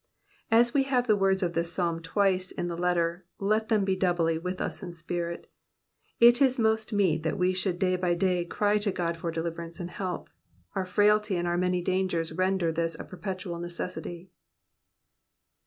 As we have the words of this Psalm twice in the letter, let them be doubly with us in spirit. It is most meet that we should day by day cry to God for deliverance and help ; our frailty and our many dangers render this a perpetual necessity.